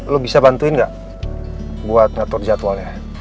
lo bisa bantuin nggak buat ngatur jadwalnya